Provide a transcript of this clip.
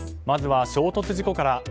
まずは衝突事故から。